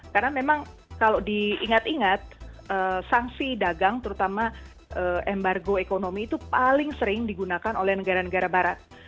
karena memang kalau diingat ingat sanksi dagang terutama embargo ekonomi itu paling sering digunakan oleh negara negara barat